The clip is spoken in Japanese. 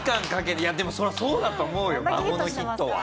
いやでもそれはそうだと思うよ『孫』のヒットは。